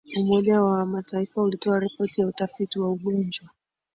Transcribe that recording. umoja wa mataifa ulitoa ripoti ya utafiti wa ugonjwa